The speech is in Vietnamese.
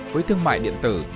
với thương mại điện tử